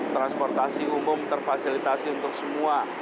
transportasi umum terfasilitasi untuk semua